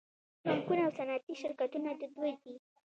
بانکونه او صنعتي شرکتونه د دوی دي